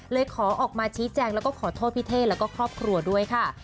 เลยขอออกมาชี้แจงแล้วก็ขอโทษพี่เท่แล้วก็ครอบครัวด้วยค่ะ